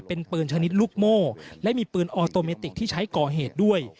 เป็นปืนชนิดลูกโม่และมีปืนออโตเมติกที่ใช้ก่อเหตุด้วย